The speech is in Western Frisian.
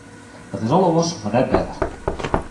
Dat is al oars, mar net better.